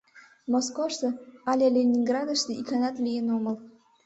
Москошто але Ленинградыште иканат лийын омыл.